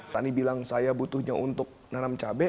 tani bilang saya butuhnya untuk nanam cabai